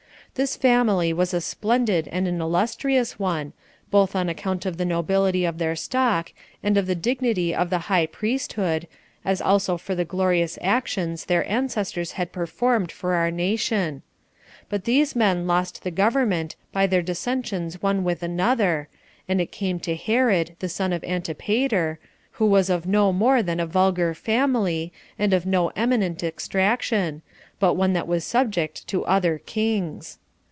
This family was a splendid and an illustrious one, both on account of the nobility of their stock, and of the dignity of the high priesthood, as also for the glorious actions their ancestors had performed for our nation; but these men lost the government by their dissensions one with another, and it came to Herod, the son of Antipater, who was of no more than a vulgar family, and of no eminent extraction, but one that was subject to other kings.